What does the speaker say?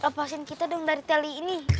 lepasin kita dong dari teli ini